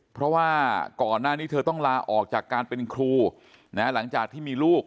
เพราะว่าก่อนหน้านี้เธอต้องลาออกจากการเป็นครูหลังจากที่มีลูก